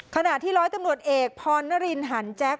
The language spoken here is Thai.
ขณะที่ร้อยตำรวจเอกพรณรินหันแจ๊ค